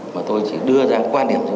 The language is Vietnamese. mà tôi chỉ đưa ra quan điểm như vậy